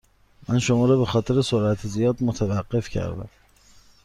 من شما را به خاطر سرعت زیاد متوقف کردم.